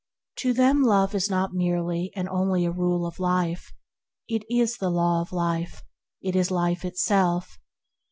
To them Love is not merely and only a rule of life, it is the Law of Life, it is Life itself.